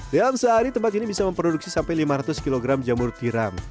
dalam sehari tempat ini bisa memproduksi sampai lima ratus kg jamur tiram